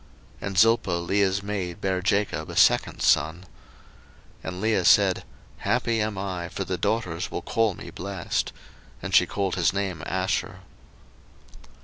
01:030:012 And Zilpah Leah's maid bare Jacob a second son. 01:030:013 And Leah said, Happy am I, for the daughters will call me blessed: and she called his name Asher.